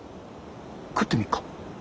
食ってみるか？